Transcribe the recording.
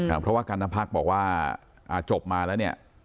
อืมอ่าเพราะว่าอ่าจบลาแล้วเนี้ย